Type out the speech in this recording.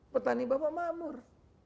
petani bapak mamur